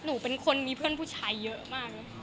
หนูเป็นคนมีเพื่อนผู้ชายเยอะมาก